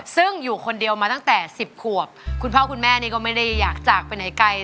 ซึ่งอยู่คนเดียวมาตั้งแต่๑๐ขวบคุณพ่อคุณแม่นี่ก็ไม่ได้อยากจากไปไหนไกล